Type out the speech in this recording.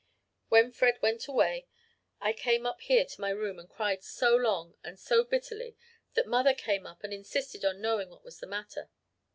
"When Fred went away I came up here to my room and cried so long and so bitterly that mother came up and insisted on knowing what was the matter.